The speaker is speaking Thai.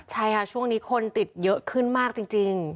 ใช่ค่ะช่วงนี้คนติดเยอะขึ้นมากจริง